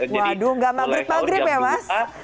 waduh gak maghrib maghrib ya mas